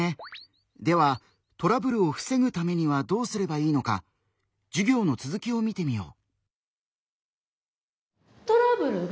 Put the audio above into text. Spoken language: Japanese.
ではトラブルをふせぐためにはどうすればいいのか授業の続きを見てみよう。